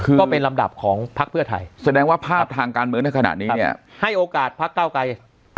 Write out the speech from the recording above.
ก็เป็นลำดับของพักเพื่อไทยแสดงว่าภาพทางการเมืองในขณะนี้เนี่ยให้โอกาสพักเก้าไกร